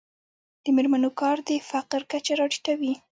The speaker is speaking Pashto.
د میرمنو کار د فقر کچه راټیټوي.